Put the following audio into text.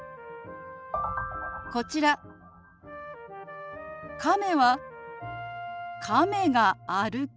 こちら亀は「亀が歩く」。